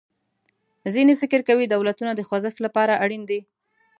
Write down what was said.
ځینې فکر کوي دولتونه د خوځښت له پاره اړین دي.